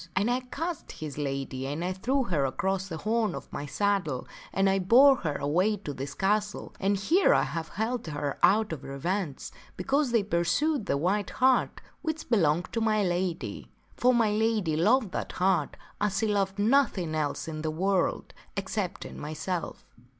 And I catched his lady and I threw her across the horn of my saddle and I bore her here away to this castle, and here I have held her out of revenge. because they pursued the white hart which belonged to my lady. For my lady loved that hart as she loved nothing else in the world, excepting myself."